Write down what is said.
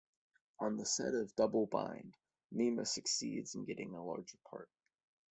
On the set of "Double Bind", Mima succeeds in getting a larger part.